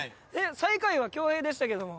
最下位は恭平でしたけども。